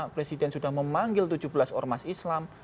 presiden sudah memanggil tujuh belas ormas islam